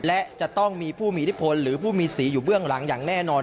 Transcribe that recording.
และจะต้องมีผู้มีอิทธิพลหรือผู้มีสีอยู่เบื้องหลังอย่างแน่นอน